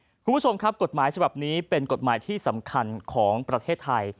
คุณผู้ชมครับกฎหมายฉบับนี้เป็นกฎหมายที่สำคัญของประเทศไทย